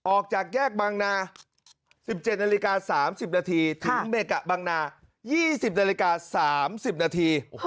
ออกจากแยกบางนา๑๗นาฬิกา๓๐นาทีถึงเมกะบังนา๒๐นาฬิกา๓๐นาที